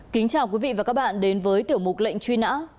kính chào quý vị và các bạn đến với tiểu mục lệnh truy nã